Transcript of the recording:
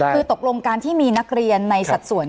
คือตกลงการที่มีนักเรียนในสัดส่วน